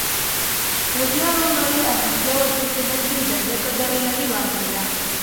که زیار وګالئ، اسانتیا ورپسې حتمي ده ځکه دا الهي وعده ده